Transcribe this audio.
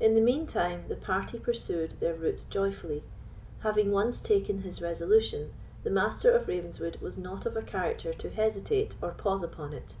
In the mean time the party pursued their route joyfully. Having once taken his resolution, the Master of Ravenswood was not of a character to hesitate or pause upon it.